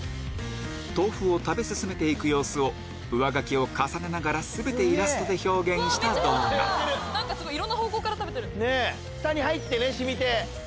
豆腐を食べ進めて行く様子を上書きを重ねながら全てイラストで表現した動画いろんな方向から食べてる。